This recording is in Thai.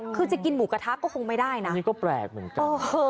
คือจะกินหมูกระทะก็คงไม่ได้นะนี่ก็แปลกเหมือนกัน